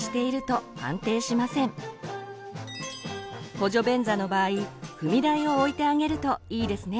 補助便座の場合踏み台を置いてあげるといいですね。